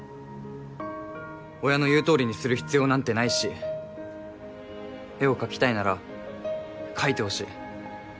親の言う通りにする必要なんてないし絵を描きたいなら描いてほしい。